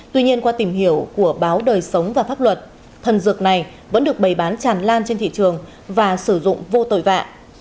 tuy nhiên qua tìm hiểu của báo đời sống và pháp luật thần dược này vẫn được bày bán tràn lan trên thị trường và sử dụng vô tội vạ